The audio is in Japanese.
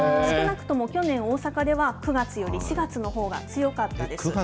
少なくとも去年、大阪では９月より４月のほうが強かったです。